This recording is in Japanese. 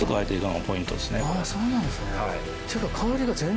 そうなんですね。